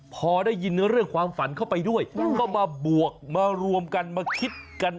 พอได้ยินเรื่องความฝันเข้าไปด้วยก็มาบวกมารวมกันมาคิดกัน